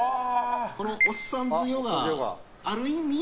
この「おっさんずヨガ」ある意味